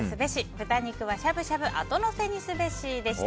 豚肉はしゃぶしゃぶあとのせにすべしでした。